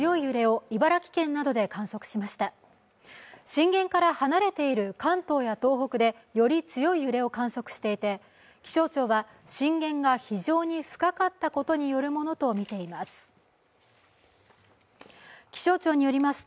震源から離れている関東や東北で、より強い揺れを観測していて、気象庁は震源が非常に深かったことによるものとみています。